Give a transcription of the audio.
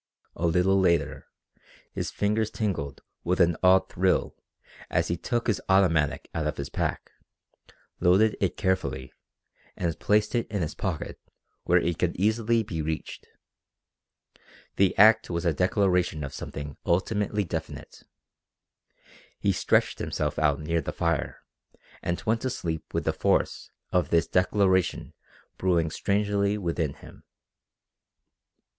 A little later his fingers tingled with an odd thrill as he took his automatic out of his pack, loaded it carefully, and placed it in his pocket where it could be easily reached. The act was a declaration of something ultimately definite. He stretched himself out near the fire and went to sleep with the force of this declaration brewing strangely within him.